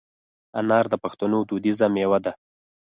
انار د پښتنو دودیزه مېوه ده.